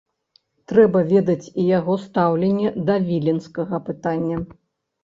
Трэба ведаць і яго стаўленне да віленскага пытання.